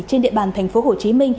trên địa bàn tp hcm